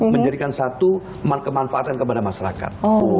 menjadikan satu kemanfaatan kepada masyarakat